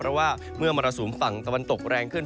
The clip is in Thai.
เพราะว่าเมื่อมรสุมฝั่งตะวันตกแรงขึ้น